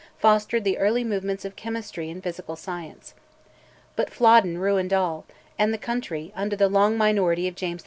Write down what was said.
fostered the early movements of chemistry and physical science. But Flodden ruined all, and the country, under the long minority of James V.